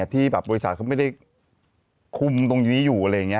ที่แบบบริษัทเขาไม่ได้คุมตรงนี้อยู่อะไรอย่างนี้